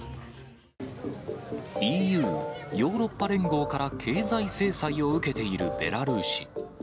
ＥＵ・ヨーロッパ連合から経済制裁を受けているベラルーシ。